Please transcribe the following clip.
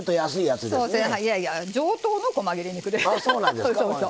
いやいや上等のこま切れ肉です。